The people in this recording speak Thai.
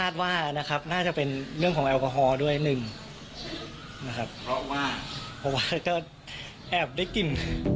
แต่ก็แอบได้กิน